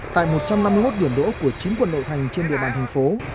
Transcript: tại một trăm năm mươi một điểm đỗ của chín quận nội thành trên địa bàn thành phố